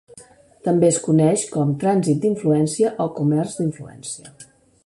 També es coneix com trànsit d'influència o comerç d'influència.